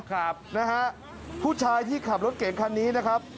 ครับนะฮะผู้ชายที่ขับรถเก่งคันนี้นะครับ